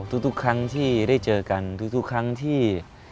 ทุกครั้งที่ได้เจอกันทุกครั้งที่